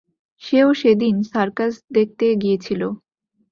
সেও সেদিন সার্কাস দেখতে গিয়েছিল।